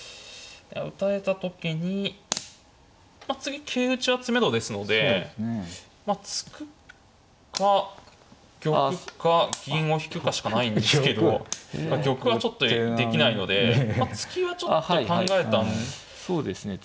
打たれた時に次桂打ちは詰めろですのでまあ突くか玉か銀を引くかしかないんですけど玉はちょっとできないので突きはちょっと考えたんですが。